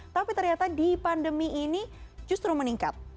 tapi ternyata di pandemi ini justru meningkat